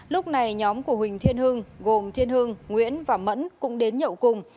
lúc này nhóm của huỳnh thiên hương gồm thiên hương nguyễn và mẫn cũng đến nhậu cùng